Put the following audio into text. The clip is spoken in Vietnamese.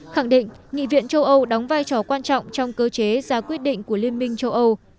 khẳng định nghị viện châu âu đóng vai trò quan trọng trong cơ chế ra quyết định của liên minh châu âu